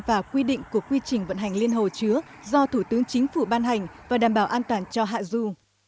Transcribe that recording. và quy định của quy trình vận hành liên hồ chứa do thủ tướng chính phủ ban hành và đảm bảo an toàn cho hạ du